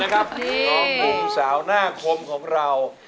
ขอบคุณสาวหน้าคมของเรา